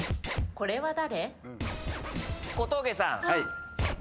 これは誰？